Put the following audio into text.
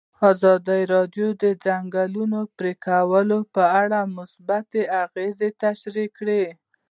ازادي راډیو د د ځنګلونو پرېکول په اړه مثبت اغېزې تشریح کړي.